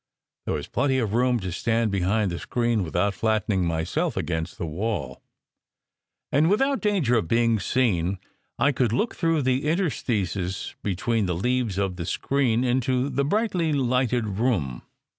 There was plenty of room to stand behind the screen without flatten ing myself against the wall. And without danger of being seen I could look through the interstices between the leaves of the screen into the brightly lighted room.